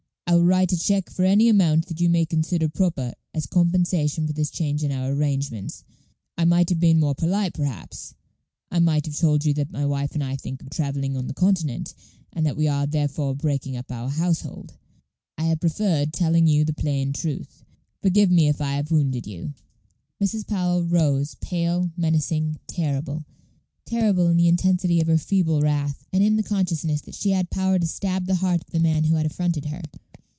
I will write a check for any amount you may consider proper as compensation for this change in our arrangements. I might have been more polite, perhaps; I might have told you that my wife and I think of travelling on the Continent, and that we are, therefore, breaking up our household. I have preferred telling you the plain truth. Forgive me if I have wounded you." Mrs. Powell rose, pale, menacing, terrible terrible in the intensity of her feeble wrath, and in the consciousness that she had power to stab the heart of the man who had affronted her.